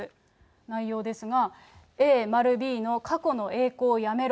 内容ですが、Ａ〇Ｂの過去の栄光やめろ。